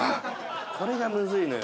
これがむずいのよ。